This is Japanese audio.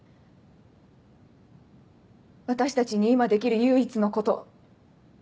私たちに今できる唯一のこと。